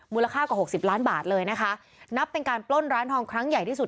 ค่ากว่าหกสิบล้านบาทเลยนะคะนับเป็นการปล้นร้านทองครั้งใหญ่ที่สุด